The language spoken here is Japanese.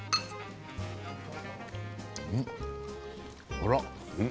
あら。